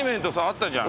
あった。